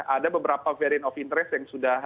ada beberapa varian of interest yang sudah